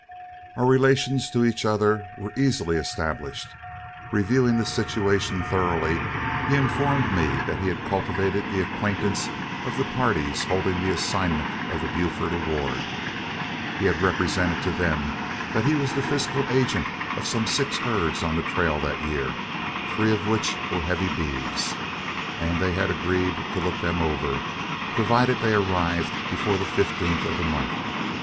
Our relations to each other were easily established. Reviewing the situation thoroughly, he informed me that he had cultivated the acquaintance of the parties holding the assignment of the Buford award. He had represented to them that he was the fiscal agent of some six herds on the trail that year, three of which were heavy beeves, and they had agreed to look them over, provided they arrived before the 15th of the month.